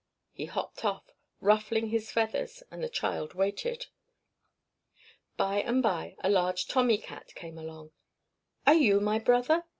He hopped off, ruffling his feathers, and the child waited. By and by a large Tommy Cat came along. "Are you my brother?"